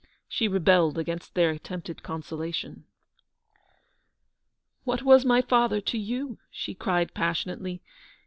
She rebelled against their at tempted consolation. "What was my father to you?" she cried, passionately.